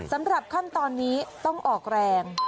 สำหรับขั้นตอนนี้ต้องออกแรง